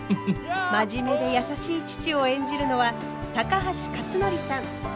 真面目で優しい父を演じるのは高橋克典さん。